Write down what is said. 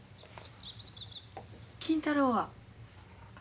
金太郎は？